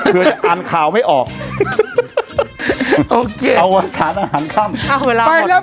เพื่อจะอ่านข่าวไม่ออกโอเคอวสารอาหารค่ำเอาเวลาหมดครับ